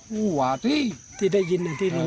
พูดไว้ตรงที่หลัง